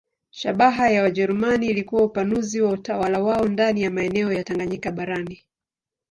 Shabaha ya Wajerumani ilikuwa upanuzi wa utawala wao ndani ya maeneo ya Tanganyika barani.